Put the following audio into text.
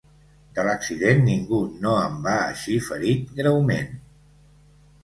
De l’accident, ningú no en va eixir ferit greument.